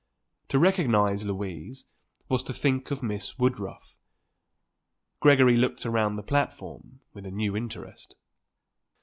To recognise Louise was to think of Miss Woodruff. Gregory looked around the platform with a new interest.